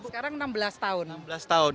sekarang enam belas tahun